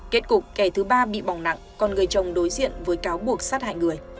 kết cục kẻ thứ ba bị bỏng nặng còn người chồng đối diện với cáo buộc sát hại người